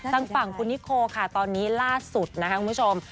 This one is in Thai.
ทางฝั่งคุณนิโคค่ะตอนนี้ล่าสุดนะคะคุณผู้ชม